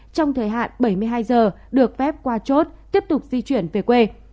trong thời hạn bảy mươi hai giờ được phép qua chốt tiếp tục di chuyển về quê